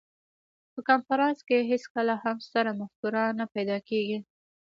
په کنفرانس کې هېڅکله هم ستره مفکوره نه پیدا کېږي.